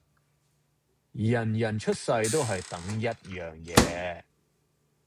人人出世都係等一樣嘢